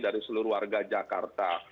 dari seluruh warga jakarta